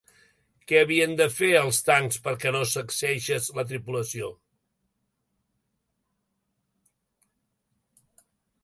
Què havien de fer als tancs perquè no sacseges la tripulació?